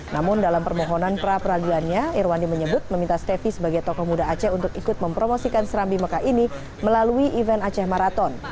namun dalam permohonan pra peradilannya irwandi menyebut meminta stefi sebagai tokoh muda aceh untuk ikut mempromosikan serambi mekah ini melalui event aceh maraton